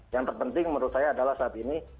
yang terpenting menurut saya adalah saat ini